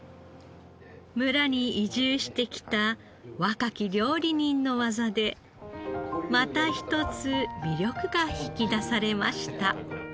村に移住してきた若き料理人の技でまた一つ魅力が引き出されました。